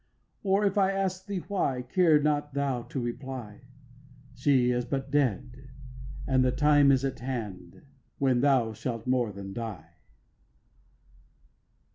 Or if I ask thee why, Care not thou to reply: She is but dead, and the time is at hand When thou shalt more than die.